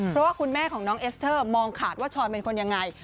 เพราะว่าคุณแม่ของน้องเอสเตอร์มองขาดว่าชอยเป็นคนยังไง